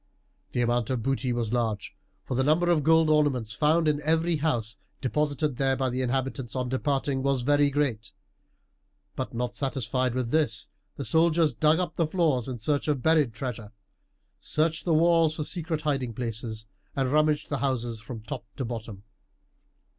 The amount of booty was large, for the number of gold ornaments found in every house, deposited there by the inhabitants on departing, was very great; but not satisfied with this the soldiers dug up the floors in search of buried treasure, searched the walls for secret hiding places, and rummaged the houses from top to bottom.